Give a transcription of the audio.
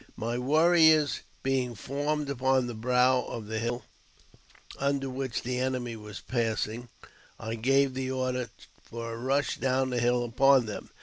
My warriors being formed upon the brow of a hill under which the enemy was passing, I gave the order for a rush down the hill upon them.